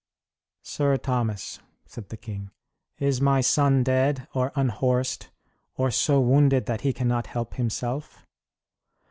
"Sir Thomas," said the king, "is my son dead or unhorsed, or so wounded that he cannot help himself?"